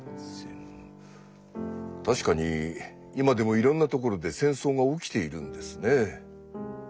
確かに今でもいろんな所で戦争が起きているんですね。